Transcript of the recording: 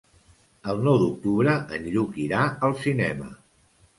El nou d'octubre en Lluc irà al cinema.